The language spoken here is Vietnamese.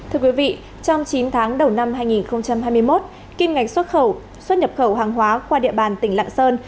thưa quý vị trong chín tháng đầu năm hai nghìn hai mươi một kim ngạch xuất khẩu xuất nhập khẩu hàng hóa qua địa bàn tỉnh lạng sơn